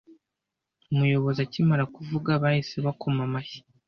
umuyobozi akimara kuvuga bahise bakoma amashyi